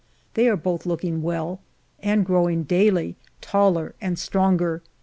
They are both looking well, and growing daily taller and stronger.